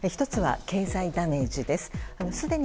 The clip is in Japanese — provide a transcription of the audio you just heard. １つは経済ダメージです。